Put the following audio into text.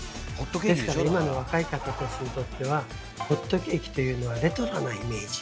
ですから今の若い方たちにとってはホットケーキというのはレトロなイメージ。